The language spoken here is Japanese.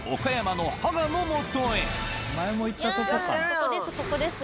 ここです、ここです。